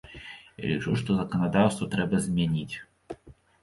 Я лічу, што заканадаўства трэба змяніць.